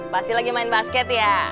pasti lagi main basket ya